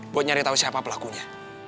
buat nyari tahu siapa pelakunya